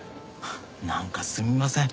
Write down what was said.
なんかすみません。